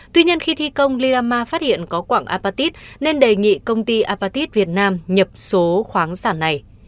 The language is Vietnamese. tuy nhiên khi thi công liama phát hiện có quạng apatit nên đề nghị công ty apatit việt nam nhập số khoáng sản này